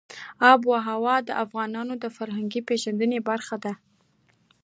آب وهوا د افغانانو د فرهنګي پیژندنې برخه ده.